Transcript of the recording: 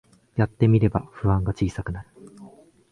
やってみれば不安が小さくなる